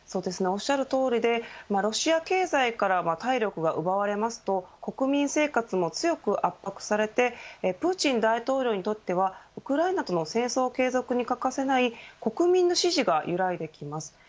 おっしゃるとおりでロシア経済からは体力が奪われますと、国民生活も強く圧迫されてプーチン大統領にとってはウクライナとの戦争継続に欠かせない国民の支持が揺らいできます。